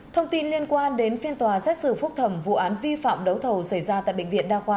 thông tin liên quan đến phiên tòa xét xử phúc thẩm vụ án vi phạm đấu thầu xảy ra tại bệnh viện đa khoa